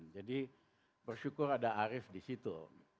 jadi bersyukur ada arief di situ